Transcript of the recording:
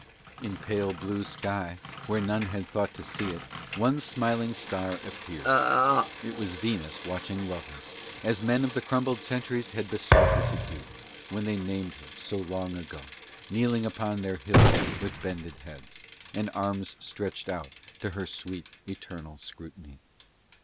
In pale blue sky where none had thought to see it one smiling star appeared. It was Venus watching lovers, as men of the crumbled centuries had besought her to do, when they named her so long ago, kneeling upon their hills with bended heads, and arms stretched out to her sweet eternal scrutiny.